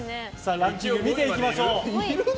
ランキング見ていきましょう。